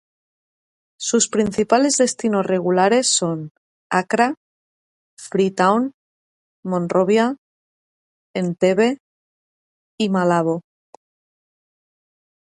Sus principales destinos regulares son Accra, Freetown, Monrovia, Entebbe y Malabo.